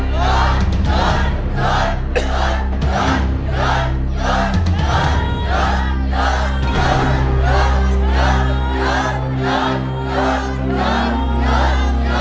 หยุดหยุดหยุด